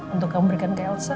untuk kamu berikan ke elsa